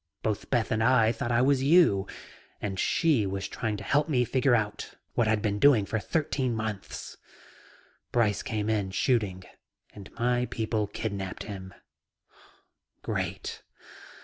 Both Beth and I thought I was you and she was trying to help me figure out what I'd been doing for thirteen months. Brice came in shooting and my people kidnapped him." "Great."